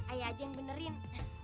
ayah aja yang benerin